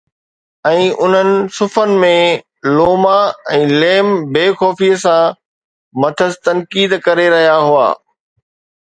۽ انهن صفحن ۾، لوما ۽ ليم بي خوفيءَ سان مٿس تنقيد ڪري رهيا هئا